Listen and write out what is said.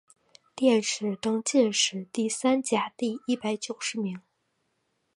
殿试登进士第三甲第一百九十名。